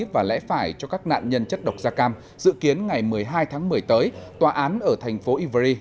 và lẽ phải cho các nạn nhân chất độc da cam dự kiến ngày một mươi hai tháng một mươi tới tòa án ở thành phố ivory